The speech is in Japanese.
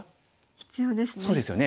必要ですね。